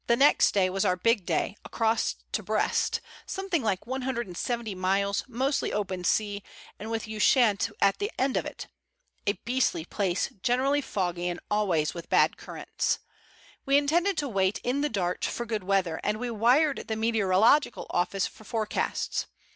Next day was our big day—across to Brest, something like 170 miles, mostly open sea, and with Ushant at the end of it—a beastly place, generally foggy and always with bad currents. We intended to wait in the Dart for good weather, and we wired the Meteorological Office for forecasts.